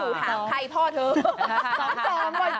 พี่ดูหาข้ายพ่อเถอะ